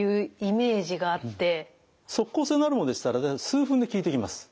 即効性のあるものでしたら数分で効いてきます。